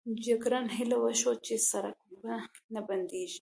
جګړن هیله وښوده چې سړک به نه بندېږي.